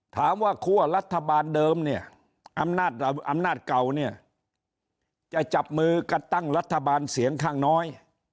คั่วรัฐบาลเดิมเนี่ยอำนาจเก่าเนี่ยจะจับมือกันตั้งรัฐบาลเสียงข้างน้อย